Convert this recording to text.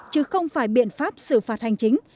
chứ không phải biện pháp xử phạt hành chính